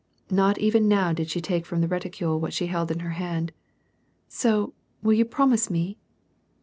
Not even now did she take from the reticule what she held in her hand. '^ So, will you prom ise me